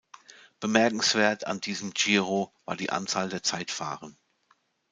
Bemerkenswert an diesem "Giro" war die Anzahl der Zeitfahren.